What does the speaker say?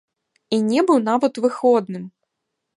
І не быў нават выходным.